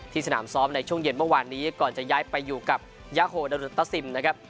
สนามซ้อมในช่วงเย็นเมื่อวานนี้ก่อนจะย้ายไปอยู่กับยาโฮดารุตตาซิมนะครับ